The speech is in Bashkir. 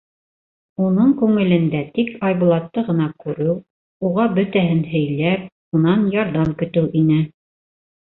Уның күңелендә тик Айбулатты ғына күреү, уға бөтәһен һөйләп, унан ярҙам көтөү ине.